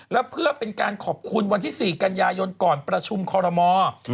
แล้วเพื่อเป็นการขอบคุณวันที่๔กันยายนก่อนประชุมคอรมอล์